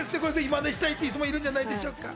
マネしたいって方もいるんじゃないでしょうか。